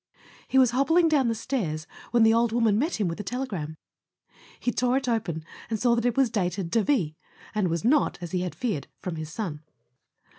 He was hobbling down the stairs when the old woman met him with a telegram. He tore it open and saw that it was dated Deauville, and was not, as he had feared, from his son.